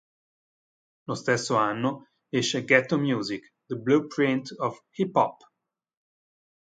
Lo stesso anno esce "Ghetto Music: The Blueprint of Hip Hop".